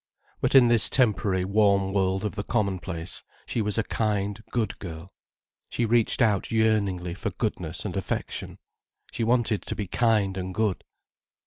But in this temporary warm world of the commonplace, she was a kind, good girl. She reached out yearningly for goodness and affection. She wanted to be kind and good.